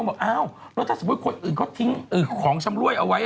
ถ้าสมมติคนอื่นทิ้งของชำรวยเอาไว้